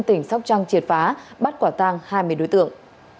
tỉnh sóc trăng triệt phá bắt quả tàng hai mươi đối tượng